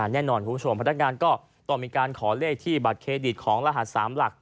แน่นอนคุณผู้ชมพนักงานก็ต้องมีการขอเลขที่บัตรเครดิตของรหัส๓หลัก